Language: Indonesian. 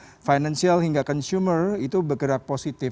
dan basic material financial hingga consumer itu bergerak positif